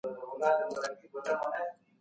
موږ روښانه راتلونکي ته هيله من يو.